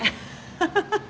ハハハハ！